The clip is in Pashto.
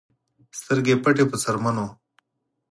سترګې پټې په څرمنو